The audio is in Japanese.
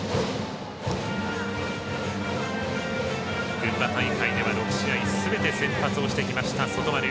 群馬大会では６試合すべて先発してきました、外丸。